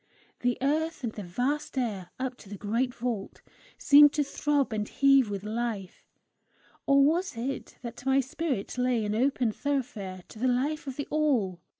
The earth and the vast air, up to the great vault, seemed to throb and heave with life or was it that my spirit lay an open thoroughfare to the life of the All?